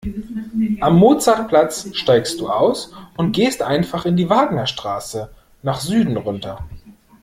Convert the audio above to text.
Am Mozartplatz steigst du aus und gehst einfach die Wagnerstraße nach Süden runter.